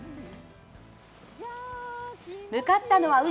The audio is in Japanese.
向かったのは海。